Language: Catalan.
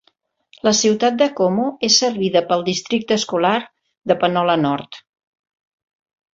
La ciutat de Como és servida pel districte escolar de Panola Nord.